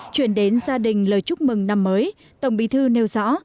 chuyển đến gia đình lời chúc mừng năm mới tổng bí thư nêu rõ